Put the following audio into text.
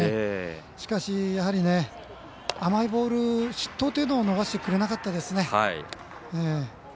しかし、甘いボール失投を逃してくれなかったですね。